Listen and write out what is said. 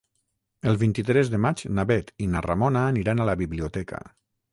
El vint-i-tres de maig na Bet i na Ramona aniran a la biblioteca.